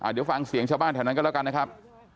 เดี๋ยวฟังเสียงชาวบ้านแถวนั้นก็แล้วกันนะครับ